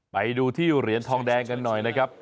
ไปดูที่เหรียญทองแดงกันหน่อยนะครับ